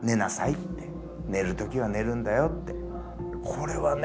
これはね